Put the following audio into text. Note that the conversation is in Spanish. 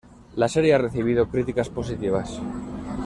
La serie ha recibido críticas positivas.